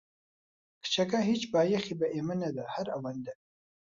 کچەکە هیچ بایەخی بە ئێمە نەدا، هەر ئەوەندە.